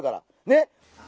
ねっ。